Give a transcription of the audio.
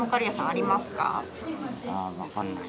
ああ分かんない。